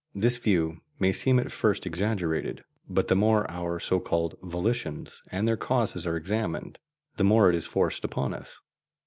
This view may seem at first exaggerated, but the more our so called volitions and their causes are examined, the more it is forced upon us.